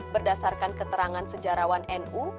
berdasarkan keterangan sejarawan nu